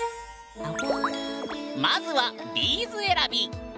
まずはビーズ選び。